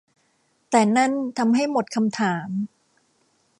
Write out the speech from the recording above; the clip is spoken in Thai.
แต่นั่นทำให้หมดคำถาม